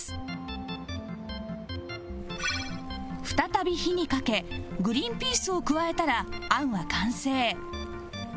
再び火にかけグリンピースを加えたら餡は完成